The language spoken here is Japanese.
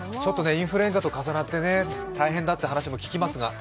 インフルエンザと重なって大変だって話も聞きますが。